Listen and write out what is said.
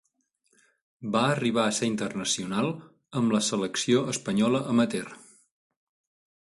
Va arribar a ser internacional amb la selecció espanyola amateur.